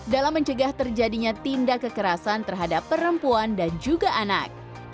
dalam mencegah terjadinya tindak kekerasan terhadap perempuan dan juga anak